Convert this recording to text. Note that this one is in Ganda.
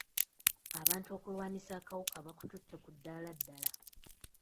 Abantu okulwanisa akawuka bakututte ku ddaala ddala.